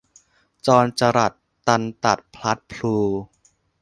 จรจรัลตันตัดพลัดพลู